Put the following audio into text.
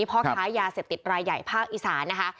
พ่อค้ายาเสพติดรายใหญ่ภาคอีสานนะคะ